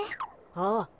ああ。